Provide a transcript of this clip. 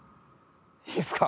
いいですか？